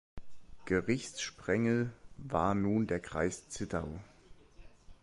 Gerichtssprengel war nun der Kreis Zittau.